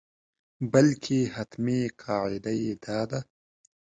بلکې حتمي قاعده یې دا ده.